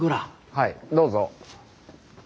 はいどうぞ。